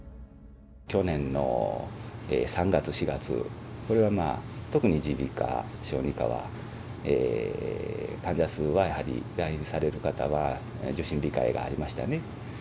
去年の３月、４月、これは特に耳鼻科、小児科は、患者数はやはり、来院される方は受診控えがありましたね。